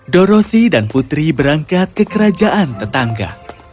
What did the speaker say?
dorossi dan putri berangkat ke kerajaan tetangga